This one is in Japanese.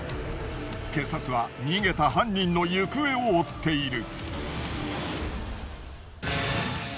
警察は逃げた犯人の行方を追っている。